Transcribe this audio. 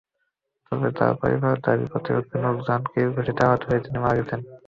তবে তাঁর পরিবারের দাবি, প্রতিপক্ষের লোকজনের কিল-ঘুষিতে আহত হয়ে তিনি মারা গেছেন।